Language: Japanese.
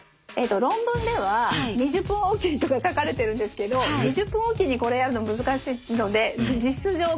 論文では２０分置きにとか書かれてるんですけど２０分置きにこれやるの難しいので実質上無理だと思うので。